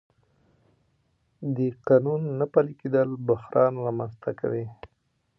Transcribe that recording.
د قانون نه پلي کېدل بحران رامنځته کوي